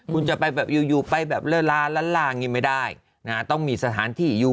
คุณจะไปแบบอยู่อยู่ไปแบบละล่าละล่างี้ไม่ได้นะฮะต้องมีสถานที่อยู่